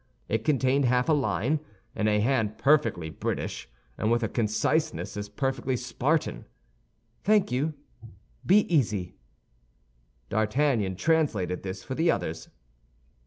It contained half a line, in a hand perfectly British, and with a conciseness as perfectly Spartan: Thank you; be easy. D'Artagnan translated this for the others.